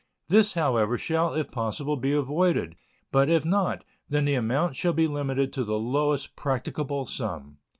This, however, shall if possible be avoided, but if not, then the amount shall be limited to the lowest practicable sum.